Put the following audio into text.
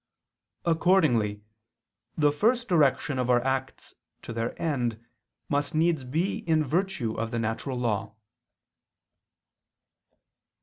Accordingly the first direction of our acts to their end must needs be in virtue of the natural law.